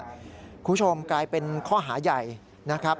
คุณผู้ชมกลายเป็นข้อหาใหญ่นะครับ